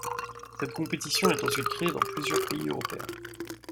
Cette compétition est ensuite créée dans plusieurs pays européens.